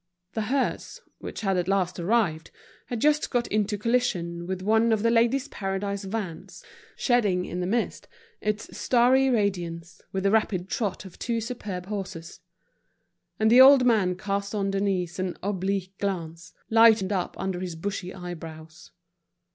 The hearse, which had at last arrived, had just got into collision with one of The Ladies' Paradise vans, which was spinning along, shedding in the mist its starry radiance, with the rapid trot of two superb horses. And the old man cast on Denise an oblique glance, lighted up under his bushy eyebrows.